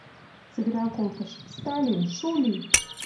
Сӹгӹрӓл колтыш: «Сталин, шу ли!..»